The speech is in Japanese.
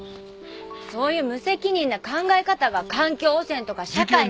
そういう無責任な考え方が環境汚染とか社会によくない。